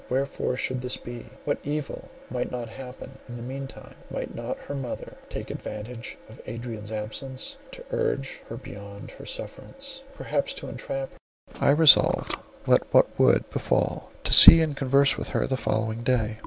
Wherefore should this be? What evil might not happen in the mean time? Might not her mother take advantage of Adrian's absence to urge her beyond her sufferance, perhaps to entrap her? I resolved, let what would befall, to see and converse with her the following day.